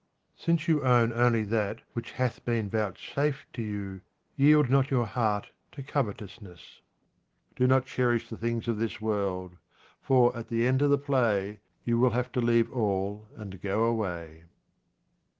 Since you own only that which hath been vouchsafed to you, yield not your heart to covetousness. Do not cherish the things of this world, for at the end of the play you will have to leave all and go away.